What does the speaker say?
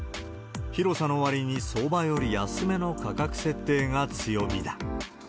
広さのわりに相場より安めの価格設定が強みだ。